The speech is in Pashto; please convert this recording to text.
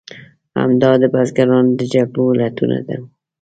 همدا د بزګرانو د جګړو علتونه وو.